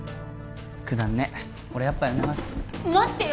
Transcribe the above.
くだらねえ俺やっぱやめます待ってよ！